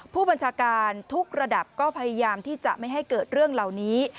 ผู้บัญชาการทุกระดับก็พยายามที่จะไม่ให้เกิดเรื่องเหล่านี้